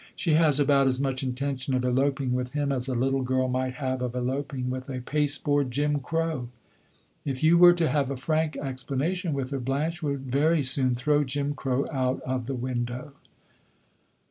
She has about as much intention of eloping with him as a little girl might have of eloping with a pasteboard Jim Crow. If you were to have a frank explanation with her, Blanche would very soon throw Jim Crow out of the window.